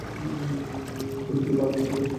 এখন তিনি বার্লিন, জার্মানিতে বসবাস করেন।